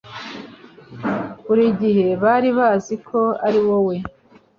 Buri gihe bari bazi ko ariwowe.